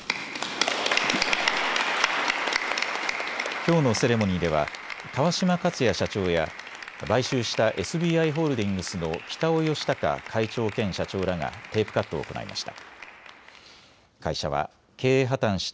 きょうのセレモニーでは川島克哉社長や買収したＳＢＩホールディングスの北尾吉孝会長兼社長らがテープカットを行いました。